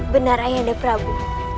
benar ayah ada prabu